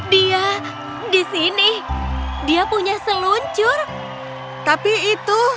dia di sini dia punya seluncur tapi itu